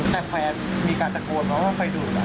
แต่แฟนมีการตะโกนมาว่าไฟดูด